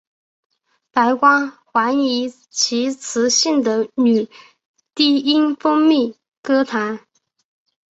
白光还以其磁性的女低音风靡歌坛。